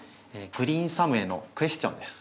グリーンサムへのクエスチョンです。